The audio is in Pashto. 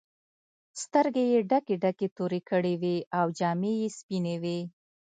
سترګې یې ډکې ډکې تورې کړې وې او جامې یې سپینې وې.